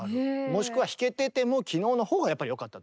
もしくは弾けててもきのうのほうがやっぱり良かったとか。